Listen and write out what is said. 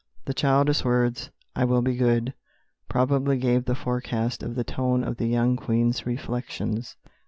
The childish words, "I will be good," probably gave the forecast of the tone of the young Queen's reflections.